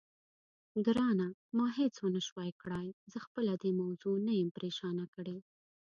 ګرانه، ما هېڅ ونه شوای کړای، زه خپله دې موضوع نه یم پرېشانه کړې.